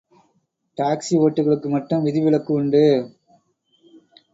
Taxi ஓட்டிகளுக்கு மட்டும் விதிவிலக்கு உண்டு.